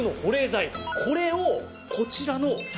これをこちらのタンク